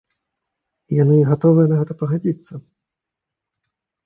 І яны гатовыя на гэта пагадзіцца.